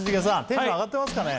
テンション上がってますかね？